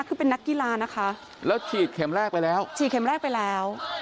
คือเป็นนักกีฬานะคะแล้วฉีดเข็มแรกไปแล้วฉีดเข็มแรกไปแล้ว